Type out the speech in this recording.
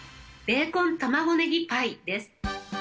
ベーコンたまごネギパイです。